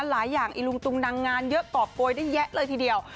หลายอย่างอีลุงตุงนังงานเยอะกรอบโกยได้แยะเลยทีเดียว